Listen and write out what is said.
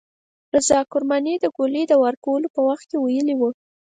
رضا کرماني د ګولۍ د وار کولو په وخت کې ویلي وو.